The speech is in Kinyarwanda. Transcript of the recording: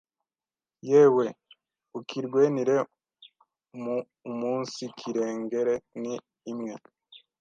yewe ukirwenire mu umunsikirengere ni imwe